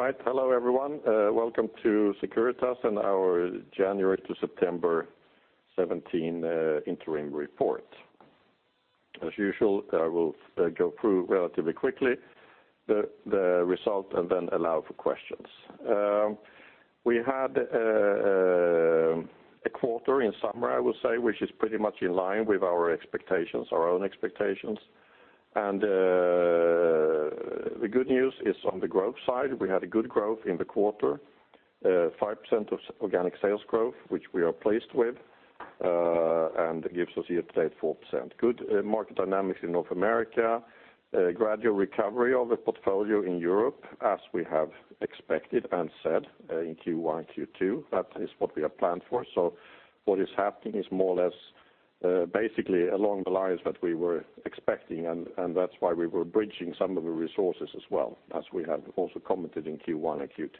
All right. Hello everyone. Welcome to Securitas and our January to September 2017 interim report. As usual, I will go through relatively quickly the result and then allow for questions. We had a quarter in summary, I would say, which is pretty much in line with our expectations, our own expectations. And the good news is on the growth side, we had a good growth in the quarter, 5% organic sales growth, which we are pleased with, and gives us here today at 4%. Good market dynamics in North America, gradual recovery of the portfolio in Europe as we have expected and said in Q1, Q2. That is what we have planned for. So what is happening is more or less, basically along the lines that we were expecting, and that's why we were bridging some of the resources as well, as we have also commented in Q1 and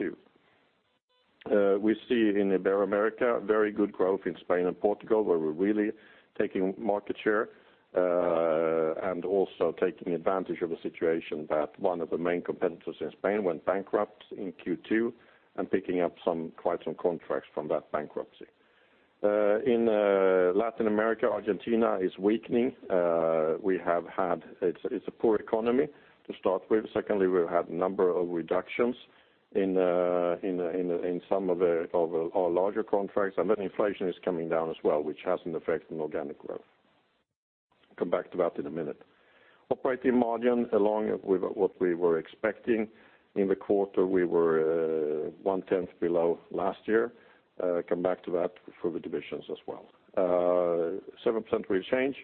Q2. We see in Ibero-America very good growth in Spain and Portugal, where we're really taking market share, and also taking advantage of the situation that one of the main competitors in Spain went bankrupt in Q2 and picking up some quite some contracts from that bankruptcy. In Latin America, Argentina is weakening. We have had, it's a poor economy to start with. Secondly, we've had a number of reductions in some of our larger contracts. And then inflation is coming down as well, which has an effect on organic growth. Come back to that in a minute. Operating margin, along with what we were expecting in the quarter, we were 1/10 below last year. Come back to that for the divisions as well. 7% real change.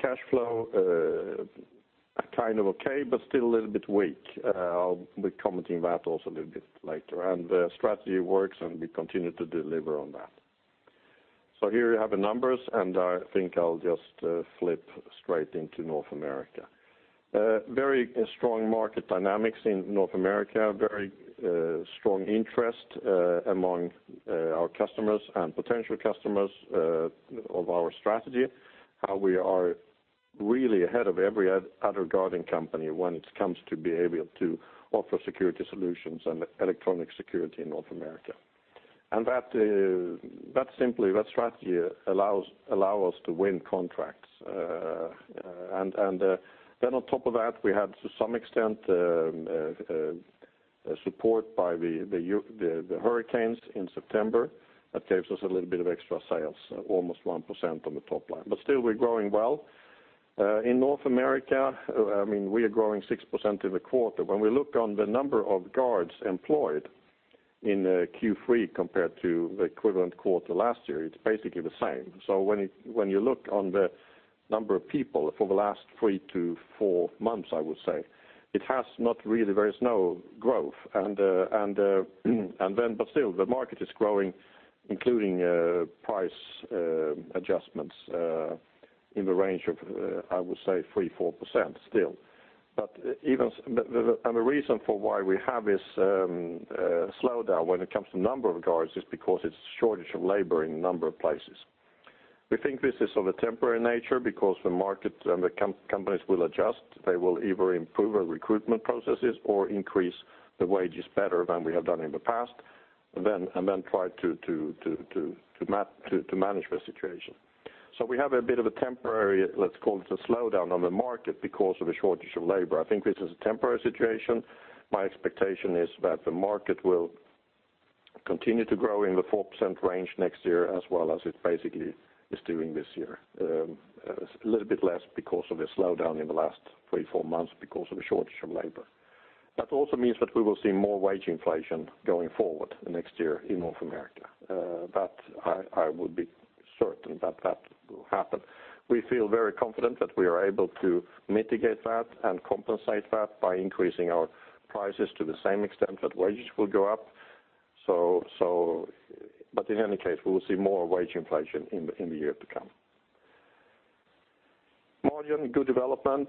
Cash flow, kind of okay, but still a little bit weak. I'll be commenting that also a little bit later. And the strategy works, and we continue to deliver on that. So here you have the numbers, and I think I'll just flip straight into North America. Very strong market dynamics in North America, very strong interest among our customers and potential customers of our strategy, how we are really ahead of every other guarding company when it comes to being able to offer security solutions and electronic security in North America. That strategy allows us to win contracts, and then on top of that, we had to some extent support by the hurricanes in September that gave us a little bit of extra sales, almost 1% on the top line. But still, we're growing well. In North America, I mean, we are growing 6% in the quarter. When we look on the number of guards employed in Q3 compared to the equivalent quarter last year, it's basically the same. So when you look on the number of people for the last 3-4 months, I would say, it has not really; there is no growth. But still, the market is growing, including price adjustments, in the range of, I would say 3%, 4% still. But even so, the reason for why we have this slowdown when it comes to number of guards is because it's shortage of labor in a number of places. We think this is of a temporary nature because the market and the companies will adjust. They will either improve their recruitment processes or increase the wages better than we have done in the past, and then try to manage the situation. So we have a bit of a temporary let's call it a slowdown on the market because of a shortage of labor. I think this is a temporary situation. My expectation is that the market will continue to grow in the 4% range next year as well as it basically is doing this year, a little bit less because of a slowdown in the last three, four months because of a shortage of labor. That also means that we will see more wage inflation going forward next year in North America. That I would be certain that that will happen. We feel very confident that we are able to mitigate that and compensate that by increasing our prices to the same extent that wages will go up. So, but in any case, we will see more wage inflation in the year to come. Margin, good development,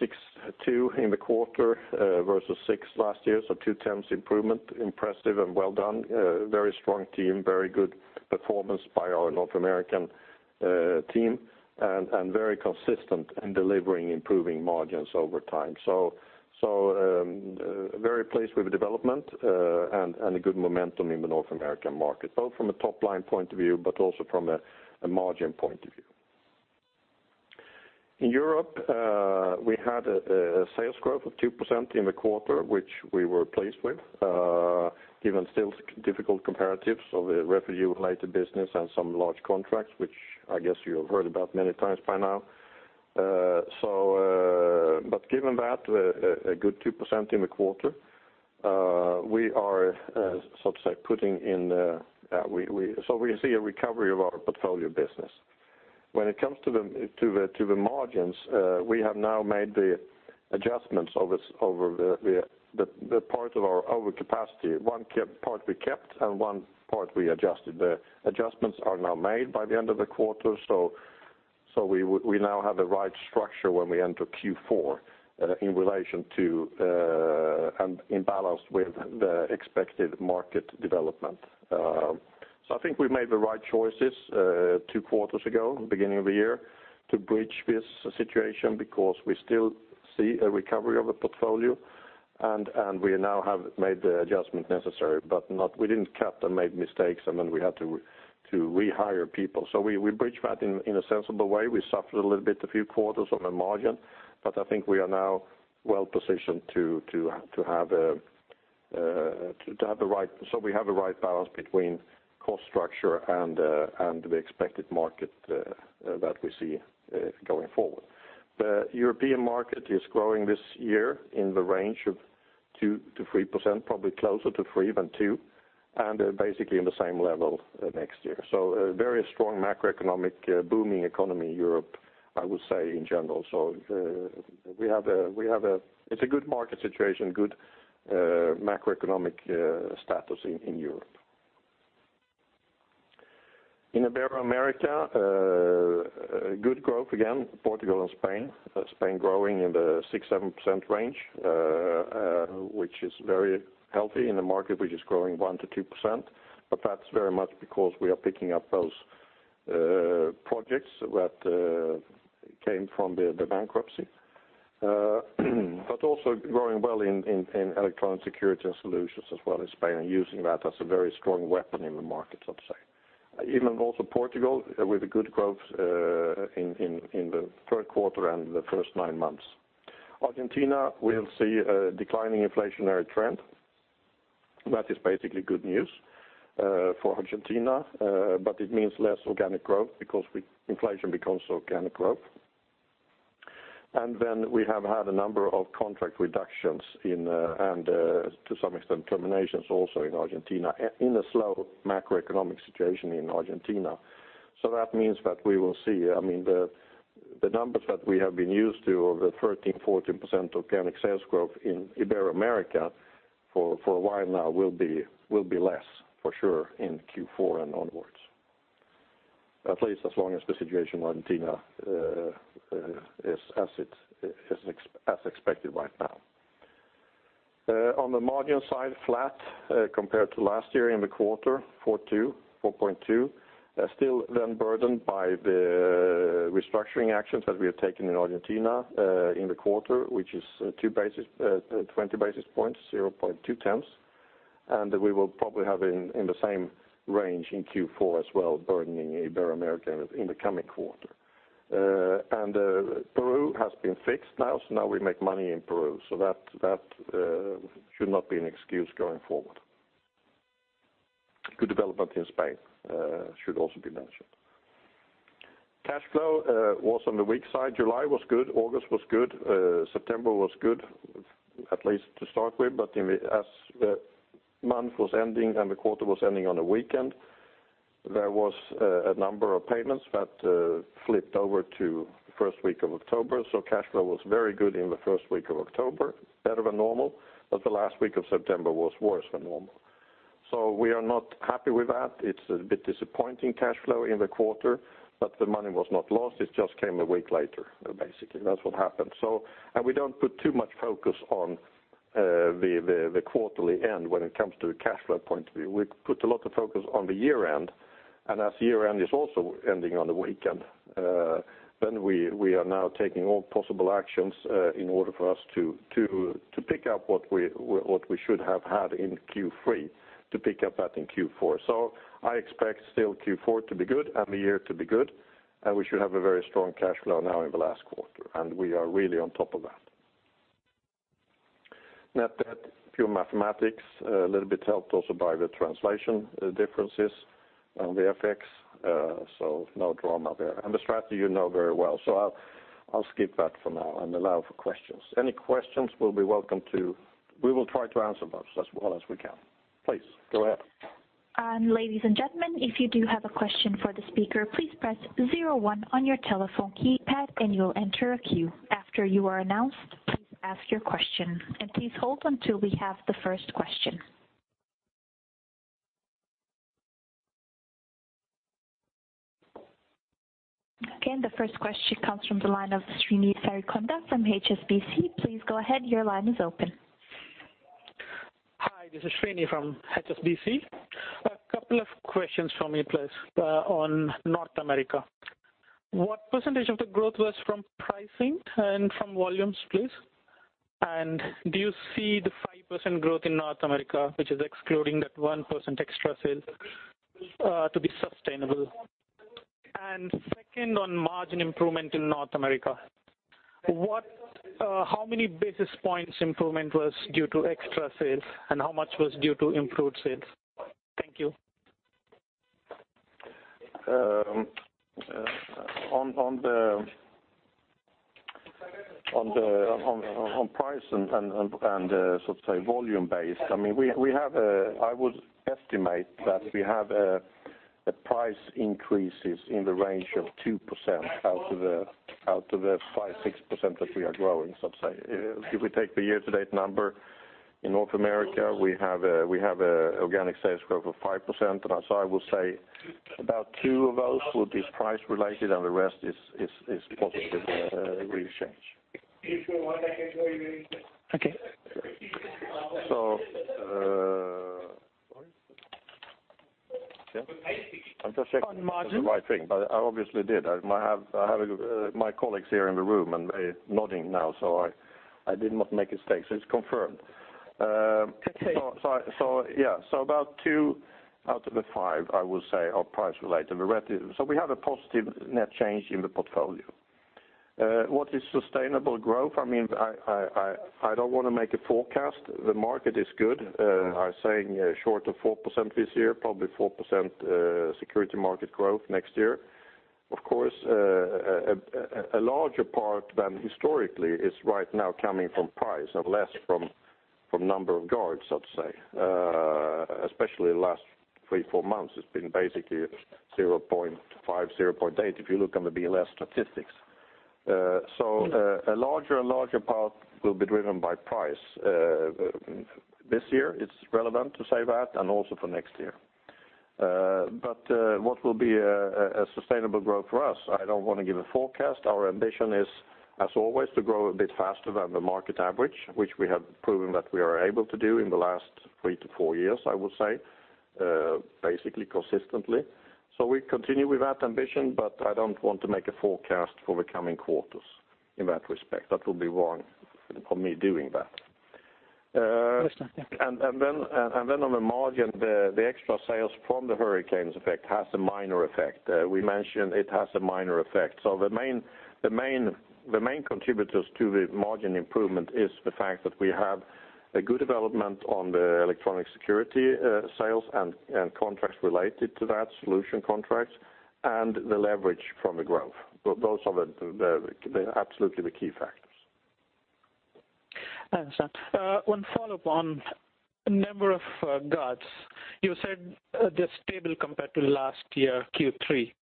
6.2% in the quarter, versus 6% last year. So 2/10 improvement. Impressive and well done. Very strong team, very good performance by our North American team, and very consistent in delivering improving margins over time. So, very pleased with the development, and a good momentum in the North American market, both from a top-line point of view but also from a margin point of view. In Europe, we had a sales growth of 2% in the quarter, which we were pleased with, given still somewhat difficult comparatives of the refugee-related business and some large contracts, which I guess you have heard about many times by now. So, but given that, a good 2% in the quarter, we are, so to say, putting in. Yeah, we can see a recovery of our portfolio business. When it comes to the margins, we have now made the adjustments to our overcapacity, one part we kept and one part we adjusted. The adjustments are now made by the end of the quarter, so we now have the right structure when we enter Q4, in relation to and in balance with the expected market development. So I think we made the right choices two quarters ago, beginning of the year, to bridge this situation because we still see a recovery of the portfolio, and we now have made the adjustment necessary. But we didn't cut and made mistakes, and then we had to rehire people. So we bridged that in a sensible way. We suffered a little bit a few quarters on the margin, but I think we are now well positioned to have the right, so we have the right balance between cost structure and the expected market that we see going forward. The European market is growing this year in the range of 2%-3%, probably closer to 3% than 2%, and basically in the same level next year. So, very strong macroeconomic booming economy, Europe, I would say, in general. So, we have it's a good market situation, good macroeconomic status in Europe. In Ibero-America, good growth again, Portugal and Spain, Spain growing in the 6%, 7% range, which is very healthy in a market which is growing 1%-2%. But that's very much because we are picking up those projects that came from the bankruptcy, but also growing well in electronic security and solutions as well in Spain and using that as a very strong weapon in the market, so to say. Even also Portugal, with a good growth in the third quarter and the first nine months. Argentina, we'll see a declining inflationary trend. That is basically good news for Argentina, but it means less organic growth because the inflation becomes organic growth. And then we have had a number of contract reductions and, to some extent, terminations also in Argentina in a slow macroeconomic situation in Argentina. So that means that we will see I mean, the numbers that we have been used to of the 13%, 14% organic sales growth in Ibero-America for a while now will be less for sure in Q4 and onwards, at least as long as the situation in Argentina is as it is expected right now. On the margin side, flat compared to last year in the quarter, 4.2%, 4.2%, still then burdened by the restructuring actions that we have taken in Argentina in the quarter, which is 20 basis points, 0.2, 2/10. And we will probably have in the same range in Q4 as well, burdening Ibero-America in the coming quarter. Peru has been fixed now, so now we make money in Peru. So that should not be an excuse going forward. Good development in Spain, should also be mentioned. Cash flow was on the weak side. July was good. August was good. September was good, at least to start with. But as the month was ending and the quarter was ending on a weekend, there was a number of payments that flipped over to first week of October. So cash flow was very good in the first week of October, better than normal, but the last week of September was worse than normal. So we are not happy with that. It's a bit disappointing cash flow in the quarter, but the money was not lost. It just came a week later, basically. That's what happened. So and we don't put too much focus on the quarterly end when it comes to the cash flow point of view. We put a lot of focus on the year-end. And as year-end is also ending on a weekend, then we are now taking all possible actions, in order for us to pick up what we should have had in Q3, to pick up that in Q4. So I expect still Q4 to be good and the year to be good. And we should have a very strong cash flow now in the last quarter. And we are really on top of that. Net debt, pure mathematics, a little bit helped also by the translation differences on the FX, so no drama there. And the strategy, you know very well. So I'll skip that for now and allow for questions. Any questions, we'll be welcome to, we will try to answer those as well as we can. Please, go ahead. Ladies and gentlemen, if you do have a question for the speaker, please press zero one on your telephone keypad, and you'll enter a queue. After you are announced, please ask your question. Please hold until we have the first question. Okay. The first question comes from the line of Srini Sarikonda from HSBC. Please go ahead. Your line is open. Hi. This is Srini from HSBC. A couple of questions from me, please, on North America. What percentage of the growth was from pricing and from volumes, please? And do you see the 5% growth in North America, which is excluding that 1% extra sales, to be sustainable? And second, on margin improvement in North America, how many basis points improvement was due to extra sales, and how much was due to improved sales? Thank you. On the price and, so to say, volume-based, I mean, we have a— I would estimate that we have price increases in the range of 2% out of the 5%, 6% that we are growing, so to say. If we take the year-to-date number in North America, we have organic sales growth of 5%. And as I would say, about two of those would be price-related, and the rest is positive real change. Okay. I'm just checking if that's the right thing, but I obviously did. I might have— I have my colleagues here in the room, and they're nodding now, so I did not make a mistake. So it's confirmed. So yeah. So about 2% out of the 5%, I would say, are price-related. Therefore, so we have a positive net change in the portfolio. What is sustainable growth? I mean, I don't want to make a forecast. The market is good. I'm saying, short of 4% this year, probably 4% security market growth next year. Of course, a larger part than historically is right now coming from price and less from number of guards, so to say, especially the last three, four months. It's been basically 0.5, 0.8 if you look on the BLS statistics. So, a larger and larger part will be driven by price. This year, it's relevant to say that and also for next year. But, what will be a sustainable growth for us? I don't want to give a forecast. Our ambition is, as always, to grow a bit faster than the market average, which we have proven that we are able to do in the last three to four years, I would say, basically consistently. So we continue with that ambition, but I don't want to make a forecast for the coming quarters in that respect. That would be wrong on me doing that. And then on the margin, the extra sales from the hurricanes effect has a minor effect. We mentioned it has a minor effect. So the main contributors to the margin improvement is the fact that we have a good development on the electronic security, sales and contracts related to that, solution contracts, and the leverage from the growth. Those are absolutely the key factors. I understand. One follow-up on a number of guards. You said, they're stable compared to last year, Q3,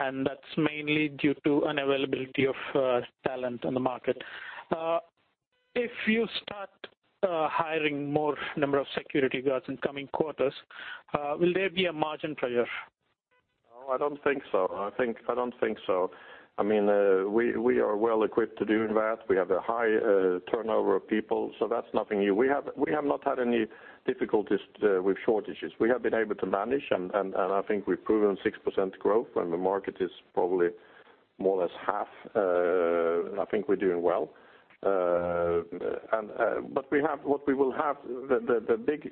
and that's mainly due to unavailability of talent in the market. If you start hiring more number of security guards in coming quarters, will there be a margin pressure? Oh, I don't think so. I think I don't think so. I mean, we are well equipped to doing that. We have a high turnover of people, so that's nothing new. We have not had any difficulties with shortages. We have been able to manage, and I think we've proven 6% growth when the market is probably more or less half. I think we're doing well. But we will have the big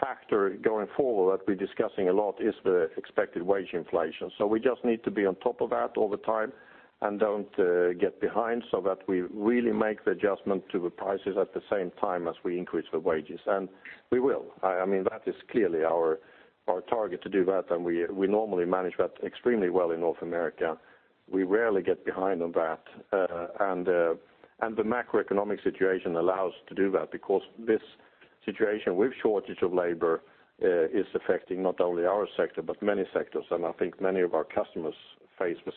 factor going forward that we're discussing a lot is the expected wage inflation. So we just need to be on top of that all the time and don't get behind so that we really make the adjustment to the prices at the same time as we increase the wages. And we will. I mean, that is clearly our target to do that. And we normally manage that extremely well in North America. We rarely get behind on that. And the macroeconomic situation allows us to do that because this situation with shortage of labor is affecting not only our sector but many sectors. And I think many of our customers face the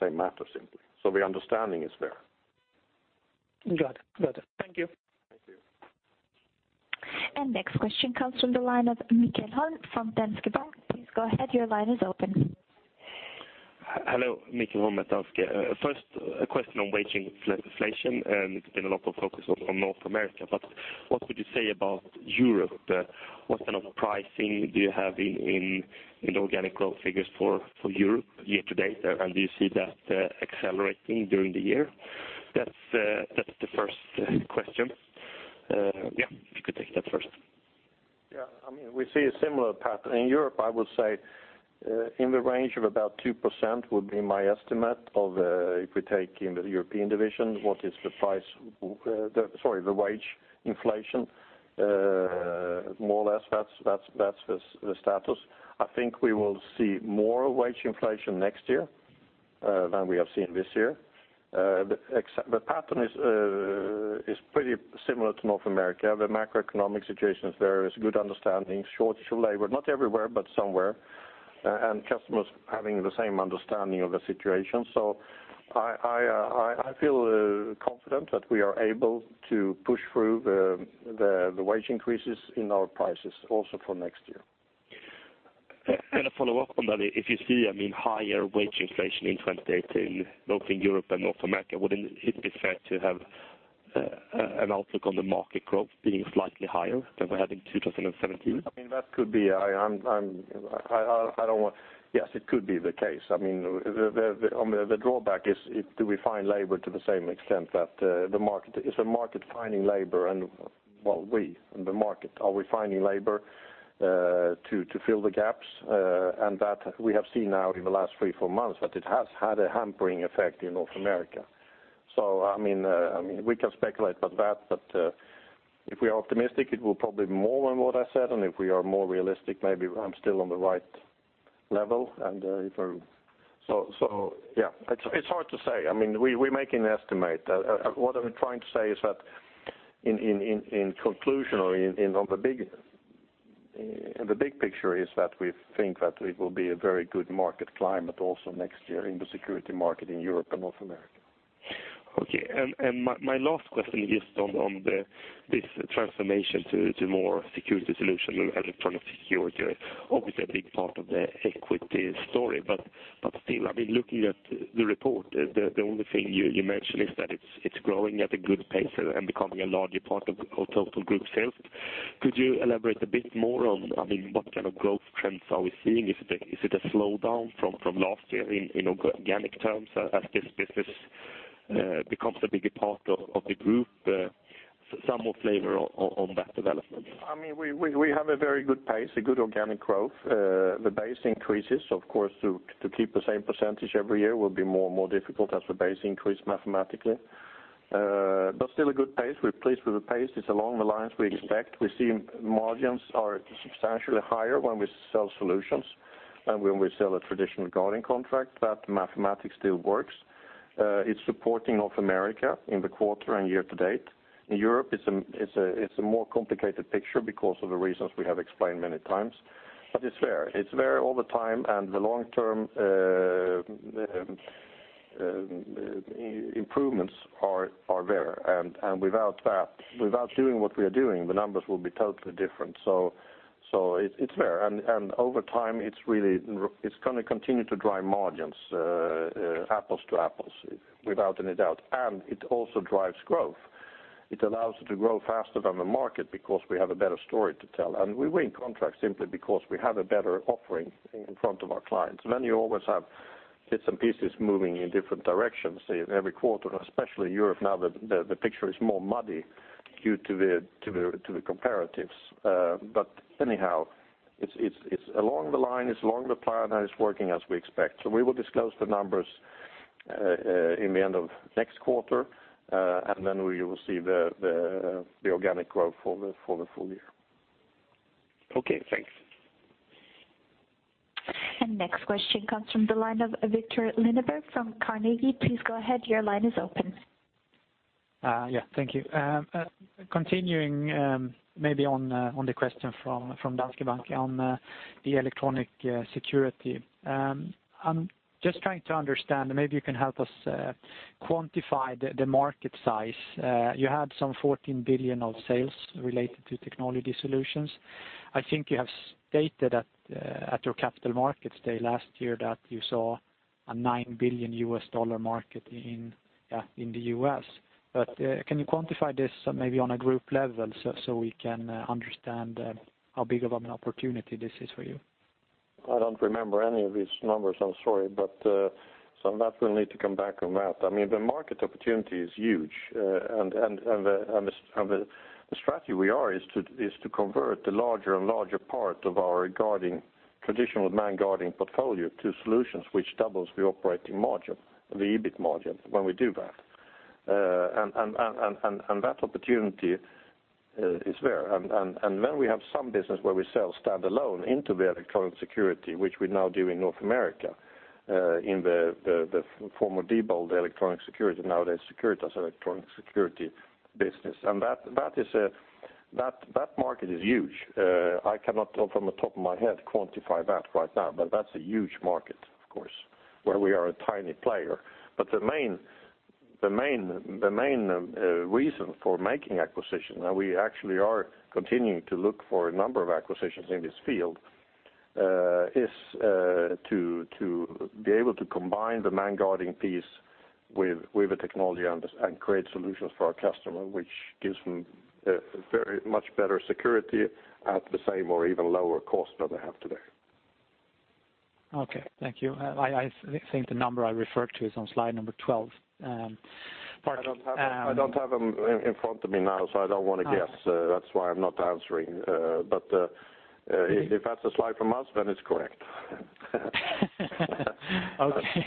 same matter, simply. So the understanding is there. Got it. Thank you. Thank you. And next question comes from the line of Michael Holm from Danske Bank. Please go ahead. Your line is open. Hello, Michael Holm, Danske. First, a question on wage inflation. And it's been a lot of focus on North America. But what would you say about Europe? What kind of pricing do you have in the organic growth figures for Europe year-to-date there? And do you see that accelerating during the year? That's the first question. Yeah, if you could take that first. Yeah. I mean, we see a similar pattern. In Europe, I would say, in the range of about 2% would be my estimate of, if we take in the European division, the wage inflation, more or less. That's the status. I think we will see more wage inflation next year than we have seen this year. The pattern is pretty similar to North America. The macroeconomic situation is there. There's good understanding, shortage of labor, not everywhere but somewhere, and customers having the same understanding of the situation. So I feel confident that we are able to push through the wage increases in our prices also for next year. And a follow-up on that, if you see, I mean, higher wage inflation in 2018 both in Europe and North America, wouldn't it be fair to have an outlook on the market growth being slightly higher than we had in 2017? I mean, that could be. I don't want— yes, it could be the case. I mean, the drawback is, do we find labor to the same extent that the— is the market is finding labor? And well, we and the market, are we finding labor to fill the gaps? that we have seen now in the last three, four months that it has had a hampering effect in North America. So, I mean, we can speculate about that. But, if we are optimistic, it will probably be more than what I said. And if we are more realistic, maybe I'm still on the right level. And, if we're so, yeah. It's hard to say. I mean, we make an estimate. What I'm trying to say is that in conclusion or in the big picture is that we think that it will be a very good market climate also next year in the security market in Europe and North America. Okay. And my last question is on this transformation to more security solution and electronic security. Obviously, a big part of the equity story. But still, I mean, looking at the report, the only thing you mentioned is that it's growing at a good pace and becoming a larger part of total group sales. Could you elaborate a bit more on, I mean, what kind of growth trends are we seeing? Is it a slowdown from last year in organic terms as this business becomes a bigger part of the group? Some more flavor on that development. I mean, we have a very good pace, a good organic growth. The base increases, of course, to keep the same percentage every year will be more difficult as the base increases mathematically. But still a good pace. We're pleased with the pace. It's along the lines we expect. We see margins are substantially higher when we sell solutions than when we sell a traditional guarding contract. That mathematics still works. It's supporting North America in the quarter and year-to-date. In Europe, it's a more complicated picture because of the reasons we have explained many times. But it's there. It's there all the time. And the long-term improvements are there. And without that, without doing what we are doing, the numbers will be totally different. So it's there. And over time, it's really going to continue to drive margins, apples to apples, without any doubt. And it also drives growth. It allows it to grow faster than the market because we have a better story to tell. And we win contracts simply because we have a better offering in front of our clients. Then you always have bits and pieces moving in different directions, say, in every quarter, especially Europe now that the picture is more muddy due to the comparatives. But anyhow, it's along the line. It's along the plan, and it's working as we expect. So we will disclose the numbers at the end of next quarter. And then we will see the organic growth for the full year. Okay. Thanks. And next question comes from the line of Viktor Lindeberg from Carnegie. Please go ahead. Your line is open. Yeah. Thank you. Continuing, maybe on the question from Danske Bank on the electronic security. I'm just trying to understand, and maybe you can help us quantify the market size. You had some 14 billion of sales related to technology solutions. I think you have stated at your Capital Markets Day last year that you saw a $9 billion market in the U.S. But can you quantify this maybe on a group level so we can understand how big of an opportunity this is for you? I don't remember any of these numbers. I'm sorry. But so that will need to come back on that. I mean, the market opportunity is huge. And the strategy we are is to convert the larger and larger part of our guarding traditional man-guarding portfolio to solutions, which doubles the operating margin, the EBIT margin, when we do that. And that opportunity is there. Then we have some business where we sell standalone into the electronic security, which we now do in North America, in the former Diebold electronic security, nowadays Securitas Electronic Security business. And that market is huge. I cannot from the top of my head quantify that right now. But that's a huge market, of course, where we are a tiny player. But the main reason for making acquisition, and we actually are continuing to look for a number of acquisitions in this field, is to be able to combine the man-guarding piece with a technology and create solutions for our customer, which gives them very much better security at the same or even lower cost than they have today. Okay. Thank you. I think the number I referred to is on slide number 12. I don't have them in front of me now, so I don't want to guess. That's why I'm not answering. But if that's a slide from us, then it's correct. Okay.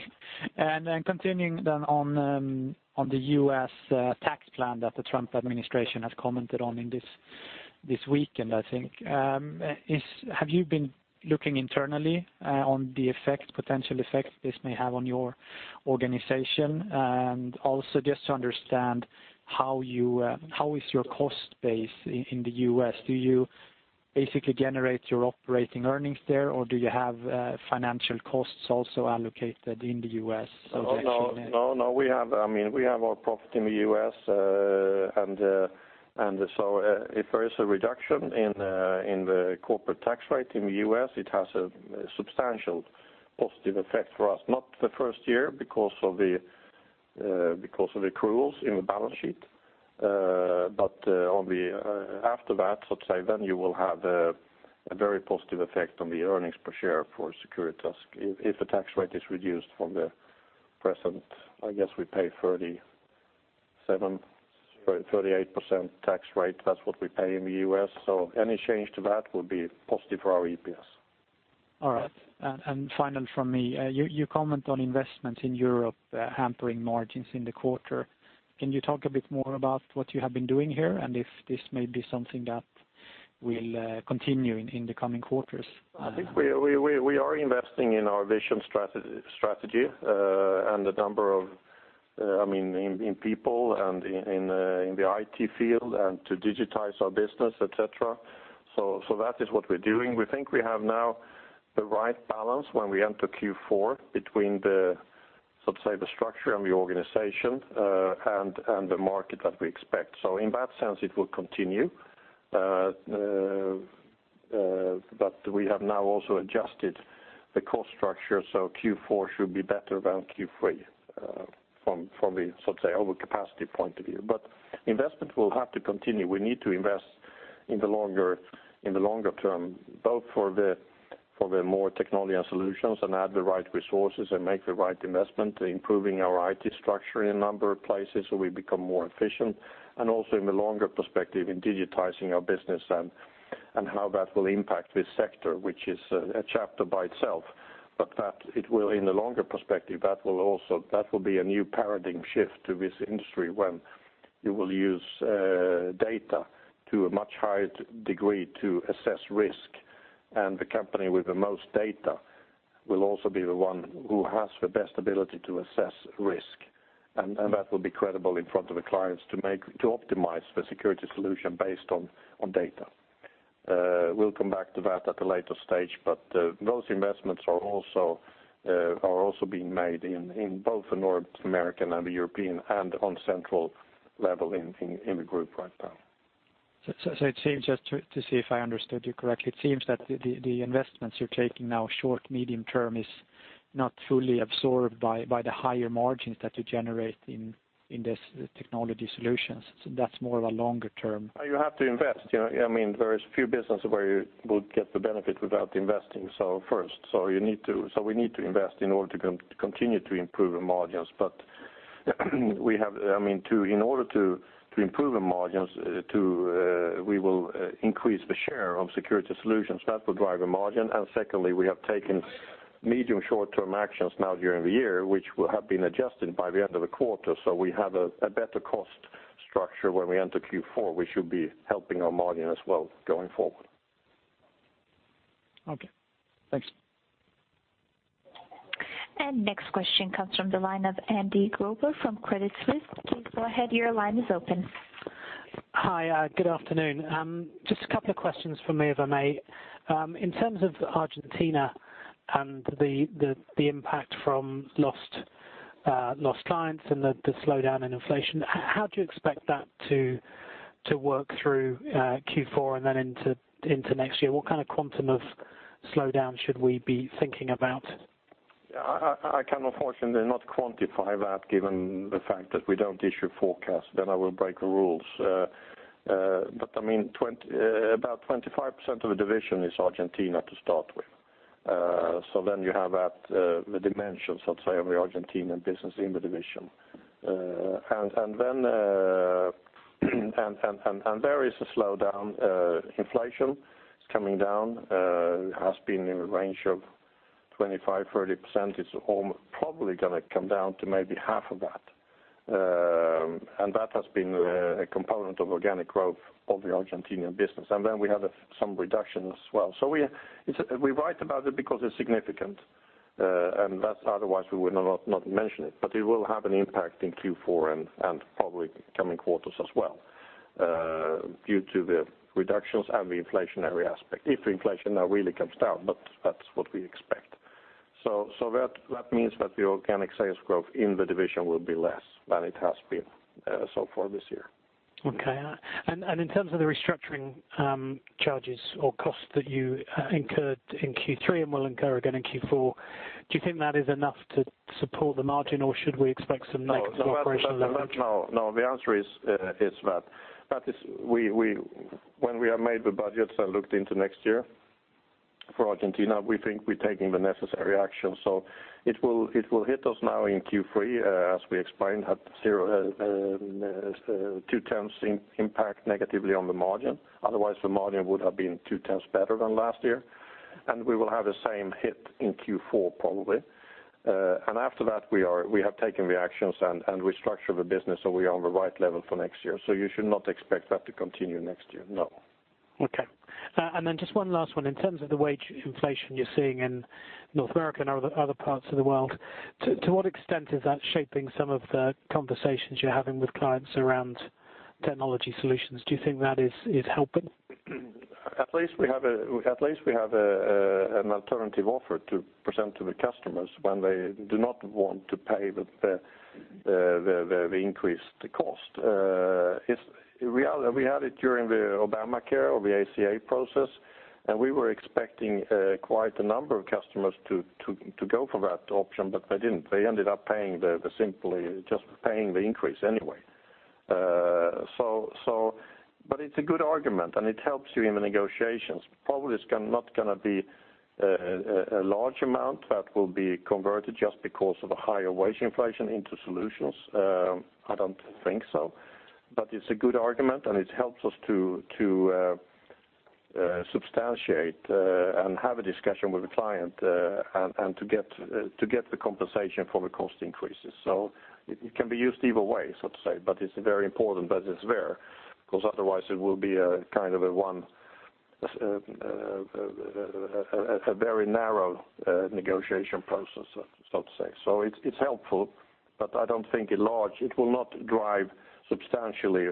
And continuing then on the U.S. tax plan that the Trump administration has commented on in this weekend, I think, is have you been looking internally on the effect, potential effect this may have on your organization? And also just to understand how you, how is your cost base in the U.S.? Do you basically generate your operating earnings there, or do you have financial costs also allocated in the U.S.? No, no. We have, I mean, we have our profit in the U.S. And so, if there is a reduction in the corporate tax rate in the U.S., it has a substantial positive effect for us, not the first year because of the accruals in the balance sheet, but after that, so to say, then you will have a very positive effect on the earnings per share for Securitas if the tax rate is reduced from the present. I guess we pay 37%, 38% tax rate. That's what we pay in the U.S. So any change to that will be positive for our EPS. All right. And final from me. You comment on investments in Europe, hampering margins in the quarter. Can you talk a bit more about what you have been doing here and if this may be something that will continue in the coming quarters? I think we are investing in our vision strategy and a number of, I mean, in people, and in the IT field and to digitize our business, etc. So that is what we're doing. We think we have now the right balance when we enter Q4 between the, so to say, the structure and the organization, and the market that we expect. So in that sense, it will continue. But we have now also adjusted the cost structure. So Q4 should be better than Q3, from the, so to say, over capacity point of view. But investment will have to continue. We need to invest in the longer term both for the more technology and solutions and add the right resources and make the right investment, improving our IT structure in a number of places so we become more efficient. And also in the longer perspective, in digitizing our business and how that will impact this sector, which is a chapter by itself. But in the longer perspective, that will be a new paradigm shift to this industry when you will use data to a much higher degree to assess risk. And the company with the most data will also be the one who has the best ability to assess risk. And that will be credible in front of the clients to optimize the security solution based on data. We'll come back to that at a later stage. But those investments are also being made in both North America and Europe and on central level in the group right now. So it seems just to see if I understood you correctly, it seems that the investments you're taking now short-medium term is not fully absorbed by the higher margins that you generate in this technology solutions. So that's more of a longer term. You have to invest. You know, I mean, there is few businesses where you would get the benefit without investing first. So we need to invest in order to continue to improve our margins. But we have, I mean, in order to improve our margins, we will increase the share of Security Solutions. That will drive our margin. And secondly, we have taken medium, short-term actions now during the year, which will have been adjusted by the end of the quarter. So we have a better cost structure when we enter Q4, which should be helping our margin as well going forward. Okay. Thanks. And next question comes from the line of Andy Grobler from Credit Suisse. Please go ahead. Your line is open. Hi. Good afternoon. Just a couple of questions for me, if I may. In terms of Argentina and the impact from lost clients and the slowdown in inflation, how do you expect that to work through Q4 and then into next year? What kind of quantum of slowdown should we be thinking about? Yeah. I can, unfortunately, not quantify that given the fact that we don't issue forecasts. Then I will break the rules. But I mean, about 25% of the division is Argentina to start with. So then you have that, the dimension, so to say, of the Argentina business in the division. And then there is a slowdown. Inflation is coming down. It has been in the range of 25%, 30%. It's all probably going to come down to maybe half of that. And that has been a component of organic growth of the Argentinian business. And then we have some reductions as well. So we write about it because it's significant. And otherwise we would not mention it. But it will have an impact in Q4 and probably coming quarters as well, due to the reductions and the inflationary aspect, if inflation now really comes down. But that's what we expect. So that means that the organic sales growth in the division will be less than it has been so far this year. Okay. And in terms of the restructuring charges or costs that you incurred in Q3 and will incur again in Q4, do you think that is enough to support the margin, or should we expect some negative operational levels? Well, no. The answer is that. That is, when we are made the budgets and looked into next year for Argentina, we think we're taking the necessary actions. So it will hit us now in Q3, as we explained, at 2/10 impact negatively on the margin. Otherwise, the margin would have been 2/10 better than last year. And we will have the same hit in Q4 probably. After that, we have taken the actions, and we structure the business, so we are on the right level for next year. So you should not expect that to continue next year. No. Okay. And then just one last one. In terms of the wage inflation you're seeing in North America and other parts of the world, to what extent is that shaping some of the conversations you're having with clients around technology solutions? Do you think that is helping? At least we have an alternative offer to present to the customers when they do not want to pay with the increased cost. It's real. We had it during the Obamacare or the ACA process, and we were expecting quite a number of customers to go for that option, but they didn't. They ended up simply just paying the increase anyway. But it's a good argument, and it helps you in the negotiations. Probably it's not going to be a large amount that will be converted just because of a higher wage inflation into solutions. I don't think so. But it's a good argument, and it helps us to substantiate and have a discussion with the client, and to get the compensation for the cost increases. So it can be used either way, so to say. But it's very important that it's there because otherwise, it will be a kind of a one— a very narrow negotiation process, so to say. So it's helpful, but I don't think it'll largely drive substantially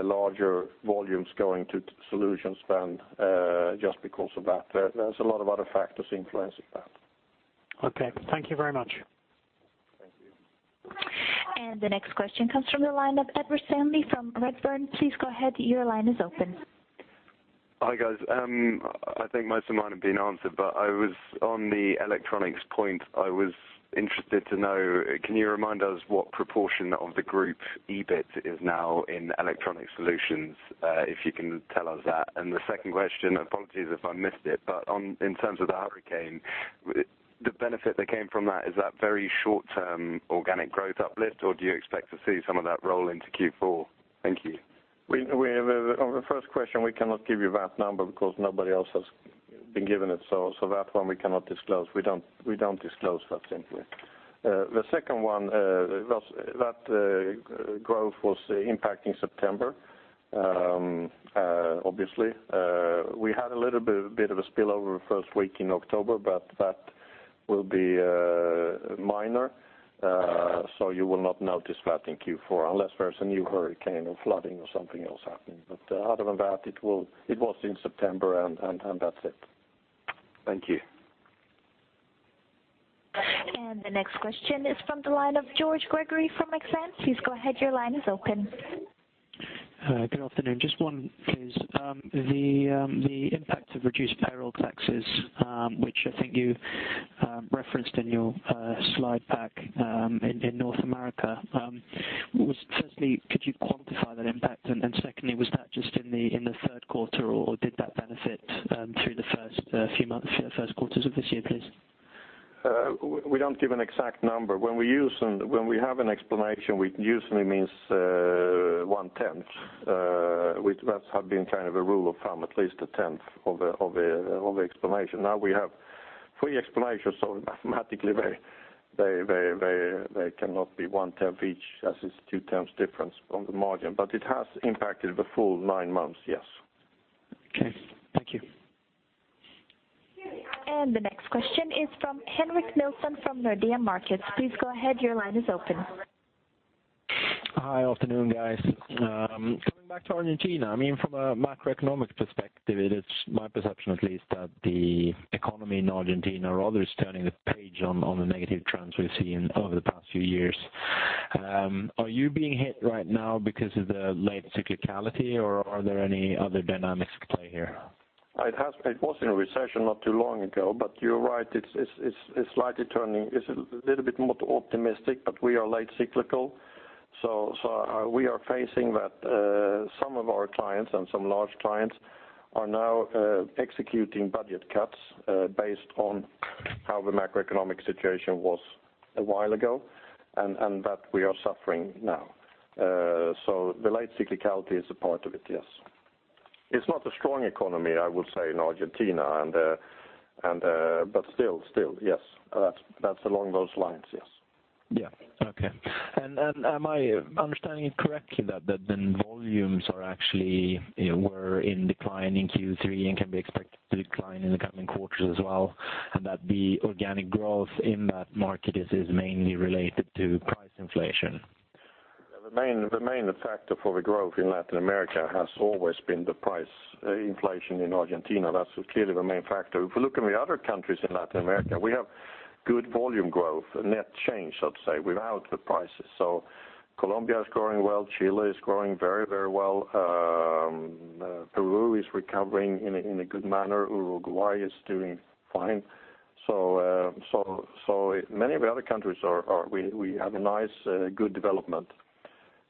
larger volumes going to solutions than just because of that. There's a lot of other factors influencing that. Okay. Thank you very much. Thank you. And the next question comes from the line of Edward Stanley from Redburn. Please go ahead. Your line is open. Hi, guys. I think most of mine have been answered, but I was on the electronics point. I was interested to know, can you remind us what proportion of the group EBIT is now in electronic solutions, if you can tell us that? And the second question, apologies if I missed it, but in terms of the hurricane, the benefit that came from that, is that very short-term organic growth uplift, or do you expect to see some of that roll into Q4? Thank you. We have, on the first question, we cannot give you that number because nobody else has been given it. So that one, we cannot disclose. We don't disclose that simply. The second one was that growth was impacting September, obviously. We had a little bit of a spillover the first week in October, but that will be minor. So you will not notice that in Q4 unless there's a new hurricane or flooding or something else happening. But other than that, it was in September, and that's it. Thank you. And the next question is from the line of George Gregory from Exane. Please go ahead. Your line is open. Good afternoon. Just one, please. The impact of reduced payroll taxes, which I think you referenced in your slide pack, in North America. Firstly, could you quantify that impact? And secondly, was that just in the third quarter, or did that benefit through the first few months through the first quarters of this year, please? We don't give an exact number. When we have an explanation, we usually mean 1/10. That's been kind of a rule of thumb, at least a 1/10 of the explanation. Now, we have three explanations, so mathematically, they cannot be 1/10 each as it's 2/10 difference on the margin. But it has impacted the full nine months, yes. Okay. Thank you. And the next question is from Henrik Nielsen from Nordea Markets. Please go ahead. Your line is open. Hi. Afternoon, guys. Coming back to Argentina, I mean, from a macroeconomic perspective, it is my perception at least that the economy in Argentina rather is turning the page on the negative trends we've seen over the past few years. Are you being hit right now because of the late cyclicality, or are there any other dynamics at play here? It has. It was in a recession not too long ago. But you're right. It's slightly turning. It's a little bit more optimistic, but we are late cyclical. So, we are facing that some of our clients and some large clients are now executing budget cuts, based on how the macroeconomic situation was a while ago and that we are suffering now. So the late cyclicality is a part of it, yes. It's not a strong economy, I would say, in Argentina. And but still, yes. That's along those lines, yes. Yeah. Okay. And am I understanding it correctly that then volumes are actually were in decline in Q3 and can be expected to decline in the coming quarters as well, and that the organic growth in that market is mainly related to price inflation? The main factor for the growth in Latin America has always been the price inflation in Argentina. That's clearly the main factor. If we look at the other countries in Latin America, we have good volume growth, net change, so to say, without the prices. So Colombia is growing well. Chile is growing very, very well. Peru is recovering in a good manner. Uruguay is doing fine. So many of the other countries are, we have a nice, good development.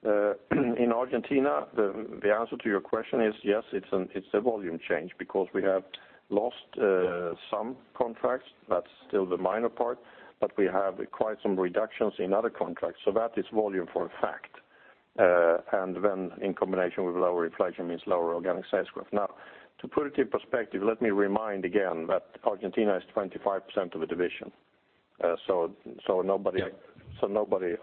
In Argentina, the answer to your question is, yes, it's a volume change because we have lost some contracts. That's still the minor part. But we have quite some reductions in other contracts. So that is volume for a fact. And then in combination with lower inflation means lower organic sales growth. Now, to put it in perspective, let me remind again that Argentina is 25% of the division. So nobody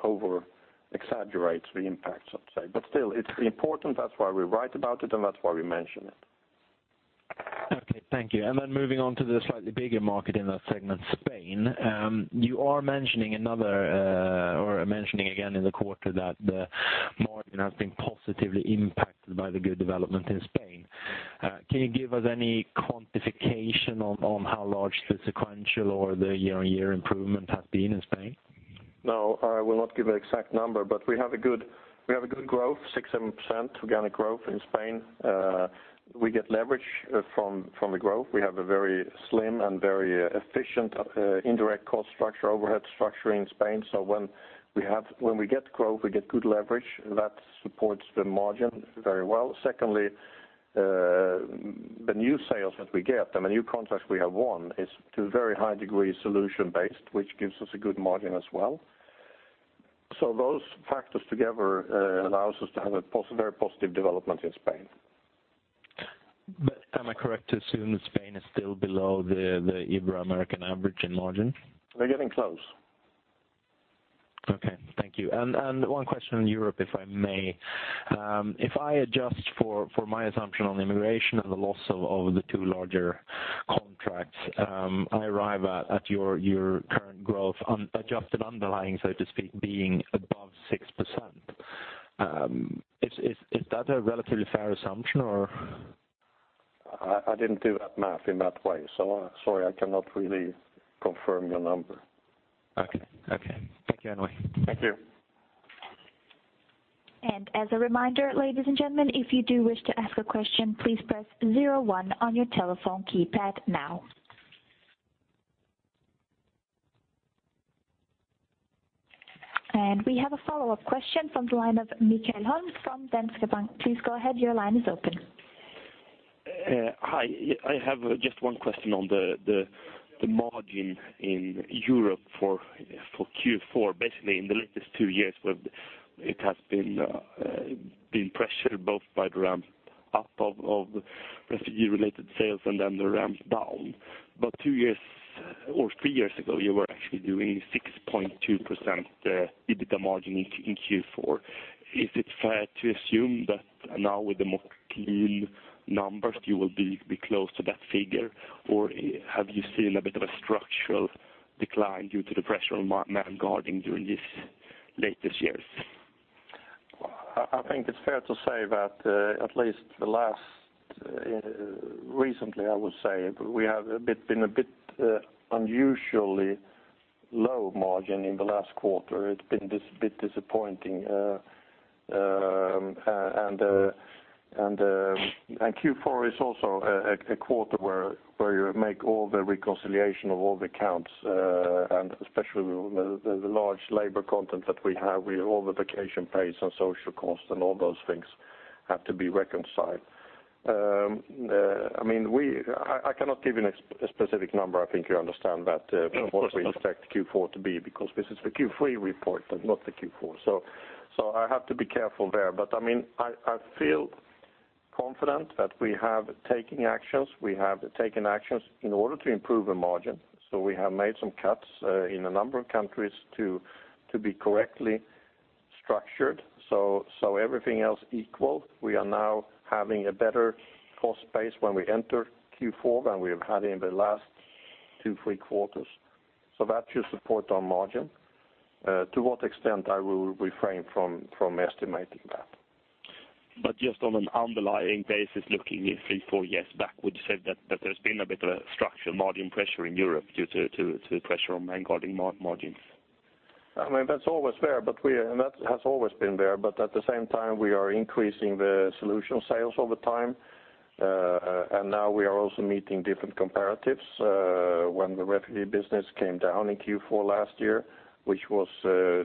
overexaggerates the impact, so to say. But still, it's important. That's why we write about it, and that's why we mention it. Okay. Thank you. And then moving on to the slightly bigger market in that segment, Spain, you are mentioning another, or mentioning again in the quarter that the margin has been positively impacted by the good development in Spain. Can you give us any quantification on how large the sequential or the year-on-year improvement has been in Spain? No. I will not give an exact number. But we have good growth, 6%, 7% organic growth in Spain. We get leverage from the growth. We have a very slim and very efficient indirect cost structure, overhead structure in Spain. So when we get growth, we get good leverage. That supports the margin very well. Secondly, the new sales that we get and the new contracts we have won is to a very high degree solution-based, which gives us a good margin as well. So those factors together allows us to have a very positive development in Spain. But am I correct to assume that Spain is still below the Ibero-American average in margin? They're getting close. Okay. Thank you. And one question in Europe, if I may. If I adjust for my assumption on immigration and the loss of the two larger contracts, I arrive at your current growth unadjusted underlying, so to speak, being above 6%. Is that a relatively fair assumption, or? I didn't do that math in that way. So, I'm sorry. I cannot really confirm your number. Okay. Thank you, anyway. Thank you. And as a reminder, ladies and gentlemen, if you do wish to ask a question, please press zero one on your telephone keypad now. And we have a follow-up question from the line of Michael Holm from Danske Bank. Please go ahead. Your line is open. Hi. I have just one question on the margin in Europe for Q4. Basically, in the latest two years, it has been pressured both by the ramp up of refugee-related sales and then the ramp down. But two years or three years ago, you were actually doing 6.2% EBITDA margin in Q4. Is it fair to assume that now, with the more clean numbers, you will be close to that figure, or have you seen a bit of a structural decline due to the pressure on man-guarding during these latest years? Well, I think it's fair to say that, at least recently, I would say, we have been a bit unusually low margin in the last quarter. It's been a bit disappointing. Q4 is also a quarter where you make all the reconciliation of all the accounts, and especially the large labor content that we have. All the vacation pays and social costs and all those things have to be reconciled. I mean, I cannot give you an exact specific number. I think you understand that, from what we expect Q4 to be because this is the Q3 report and not the Q4. So I have to be careful there. But I mean, I feel confident that we have taken actions. We have taken actions in order to improve the margin. So we have made some cuts in a number of countries to be correctly structured. So everything else equal. We are now having a better cost base when we enter Q4 than we have had in the last two, three quarters. So that should support our margin. To what extent, I will refrain from estimating that. But just on an underlying basis, looking three, four years back, would you say that there's been a bit of a structural margin pressure in Europe due to pressure on man-guarding margins? I mean, that's always there, but that has always been there. But at the same time, we are increasing the solution sales over time. And now, we are also meeting different comparatives. When the refugee business came down in Q4 last year, which was a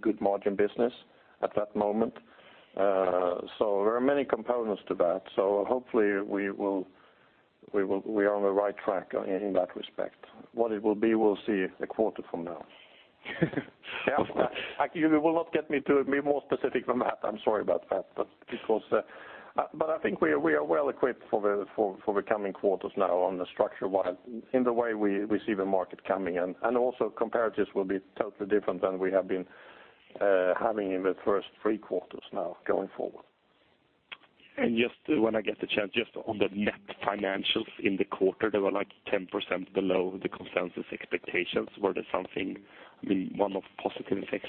good margin business at that moment. So there are many components to that. So hopefully, we will, we are on the right track in that respect. What it will be, we'll see a quarter from now. Yeah. You will not get me to be more specific than that. I'm sorry about that, but because, but I think we are well-equipped for the coming quarters now on the structural side in the way we see the market coming. Also, comparatives will be totally different than we have been having in the first three quarters now going forward. Just when I get the chance, just on the net financials in the quarter, they were, like, 10% below the consensus expectations. Was there something, I mean, one-off positive effects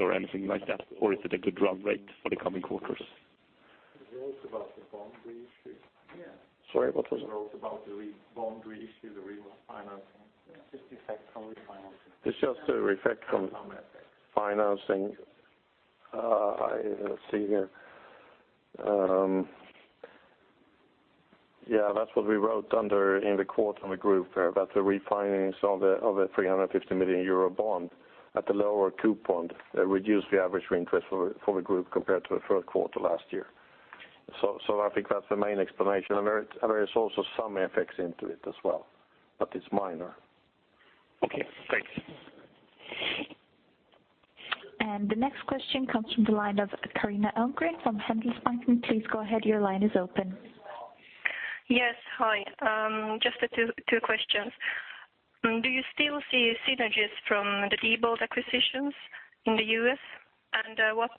or anything like that, or is it a good run rate for the coming quarters? The growth about the boundary issue. Yeah. Sorry. What was it? The growth about the re boundary issue, the refinancing. Yeah. Just effect from refinancing. It's just the effect from financing. I don't see here. Yeah. That's what we wrote under in the quarter on the group there. That's the refinance of the 350 million euro bond at the lower coupon that reduced the average rate interest for the group compared to the first quarter last year. So I think that's the main explanation. And there is also some effects into it as well, but it's minor. Okay. Thanks. And the next question comes from the line of Carina Elmgren from Handelsbanken. And please go ahead. Your line is open. Yes. Hi. Just two questions. Do you still see synergies from the Diebold acquisitions in the U.S.? What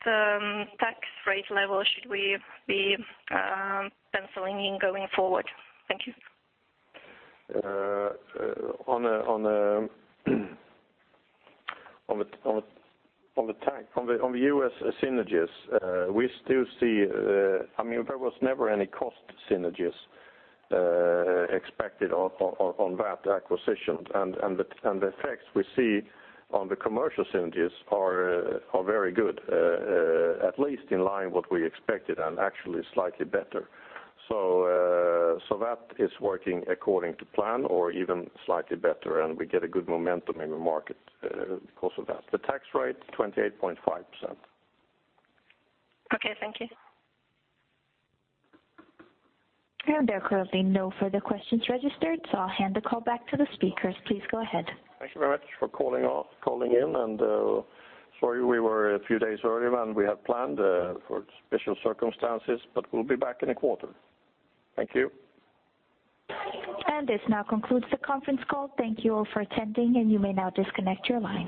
tax rate level should we be penciling in going forward? Thank you. On the U.S. synergies, we still see, I mean, there was never any cost synergies expected on that acquisition. And the effects we see on the commercial synergies are very good, at least in line with what we expected and actually slightly better. So that is working according to plan or even slightly better. And we get good momentum in the market because of that. The tax rate, 28.5%. Okay. Thank you. And there are currently no further questions registered, so I'll hand the call back to the speakers. Please go ahead. Thank you very much for calling in. Sorry. We were a few days earlier than we had planned for special circumstances. But we'll be back in a quarter. Thank you. And this now concludes the conference call. Thank you all for attending, and you may now disconnect your line.